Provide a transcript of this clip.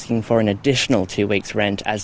uang deposit selama empat minggu